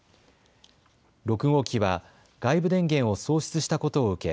６号機は外部電源を喪失したことを受け